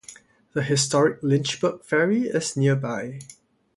The historic Lynchburg Ferry is nearby.